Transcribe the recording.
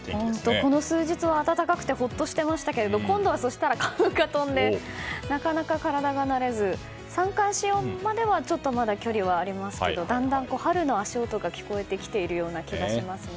この数日は暖かくてほっとしていましたが今度は花粉が飛んでなかなか体が慣れず三寒四温までは、まだちょっと距離はありますがだんだん春の足音が聞こえてきているような気がしますね。